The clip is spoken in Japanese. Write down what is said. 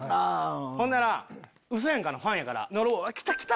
ほんならうそやんかのファンやから来た来た！